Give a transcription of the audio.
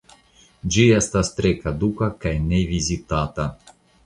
Ĝi estas tre kaduka kaj ne vizitata.